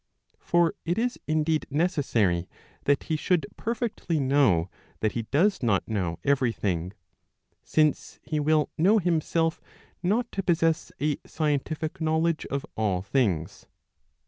For it is indeed necessary that he should perfectly know that he does not know [every thing]; since he will know himself not to possess a scientific knowledge [of all things].